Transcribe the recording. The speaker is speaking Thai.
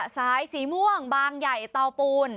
สายสีม่วงบางใหญ่เตาปูน